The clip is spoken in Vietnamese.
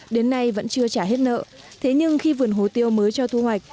đến nay vẫn chưa trả hết nợ thế nhưng khi vườn hồ tiêu mới cho thu hoạch